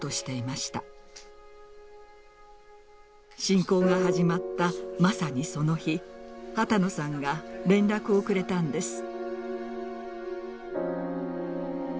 侵攻が始まったまさにその日波多野さんが連絡をくれたんです。